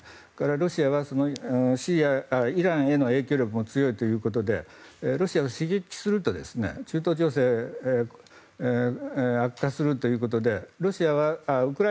ロシアはイランへの影響力も強いということでロシアを刺激すると中東情勢が悪化するということで。